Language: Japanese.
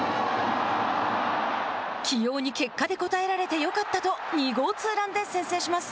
起用に結果で応えられてよかったと２号ツーランで先制します。